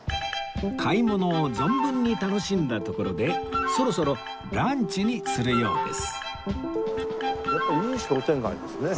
買い物を存分に楽しんだところでそろそろランチにするようです